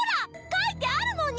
書いてあるのに！